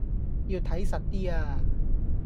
要睇實啲呀